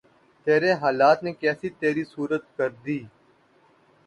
تیرے حالات نے کیسی تری صورت کر دی